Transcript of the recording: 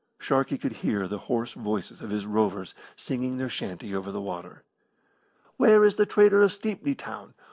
Sharkey could hear the hoarse voices of his rovers singing their chanty over the water. Where is the trader of Stepney Town?